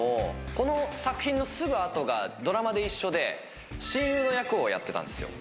この作品のすぐ後がドラマで一緒で親友の役をやってたんですよ。